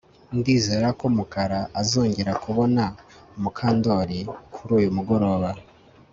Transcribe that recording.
Ndizera ko Mukara azongera kubona Mukandoli kuri uyu mugoroba